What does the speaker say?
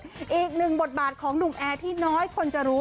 อีกหนึ่งบทบาทของหนุ่มแอร์ที่น้อยคนจะรู้